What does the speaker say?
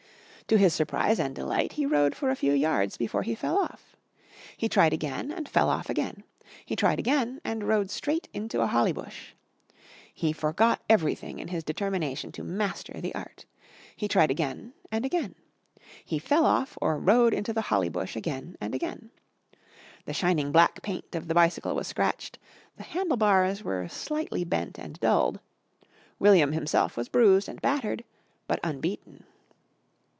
To his surprise and delight he rode for a few yards before he fell off. He tried again and fell off again. He tried again and rode straight into a holly bush. He forgot everything in his determination to master the art. He tried again and again. He fell off or rode into the holly bush again and again. The shining black paint of the bicycle was scratched, the handle bars were slightly bent and dulled; William himself was bruised and battered but unbeaten.